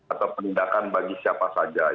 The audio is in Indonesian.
atau penindakan bagi siapa saja